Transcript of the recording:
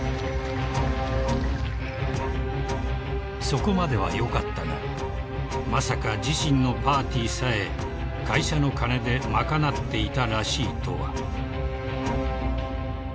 ［そこまではよかったがまさか自身のパーティーさえ会社の金で賄っていたらしいとは］